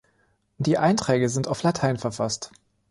Die Einträge sind auf Latein verfasst.